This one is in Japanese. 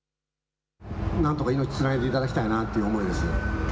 なんとか命つないでいただきたいなっていう思いですよ。